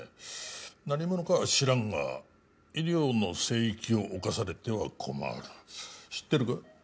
何者かは知らんが医療の聖域を侵されては困る知ってるか？